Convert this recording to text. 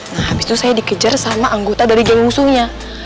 nah habis itu saya dikejar sama anggota dari gemungsungnya